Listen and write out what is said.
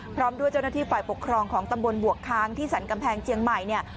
พร้อมด้วยเจ้าหน้าที่ฝ่ายปกครองของตำบลบวกค้างที่สรรกำแพงเจียงใหม่เนี่ย